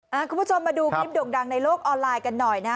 คุณผู้ชมมาดูคลิปโด่งดังในโลกออนไลน์กันหน่อยนะ